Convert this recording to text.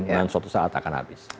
dan suatu saat akan habis